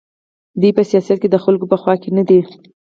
دوی په سیاست کې د خلکو په خوا کې نه دي.